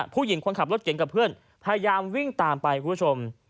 ผู้หญิงคนขับรถเก่งกับเพื่อนพยายามวิ่งตามไปคุณผู้ชม